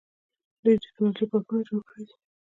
دوی د ټیکنالوژۍ پارکونه جوړ کړي دي.